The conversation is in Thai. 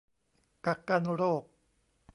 กักกันโรค